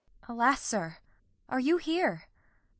Alas, sir, are you here?